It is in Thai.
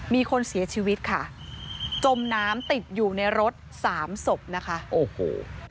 มีคนเสียชีวิตค่ะจมน้ำติดอยู่ในรถสามศพนะคะโอ้โห